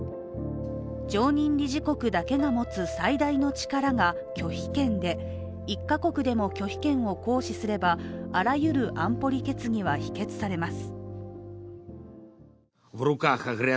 常任理事国だけが持つ最大の力が拒否権で１か国でも拒否権を行使すればあらゆる安保理決議は否決されます。